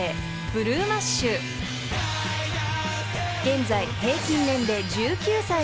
［現在平均年齢１９歳］